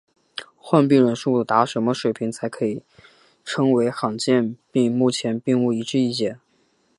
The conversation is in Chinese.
患病人数达什么水平才可称为罕见病目前并无一致意见。